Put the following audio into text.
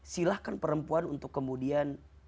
silahkan perempuan untuk kemudian